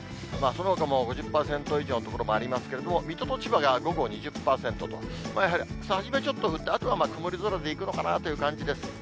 そのほかも５０％以上の所もありますけれども、水戸と千葉が午後２０％と、やはり、初めちょっと降って、あとは曇り空でいくのかなという感じです。